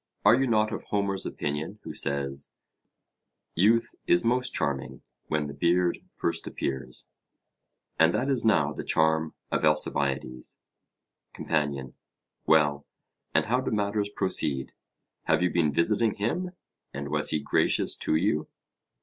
Are you not of Homer's opinion, who says 'Youth is most charming when the beard first appears'? And that is now the charm of Alcibiades. COMPANION: Well, and how do matters proceed? Have you been visiting him, and was he gracious to you?